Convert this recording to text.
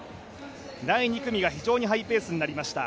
第２組が非常にハイペースとなりました。